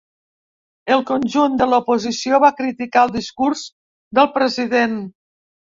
El conjunt de l’oposició va criticar el discurs del president.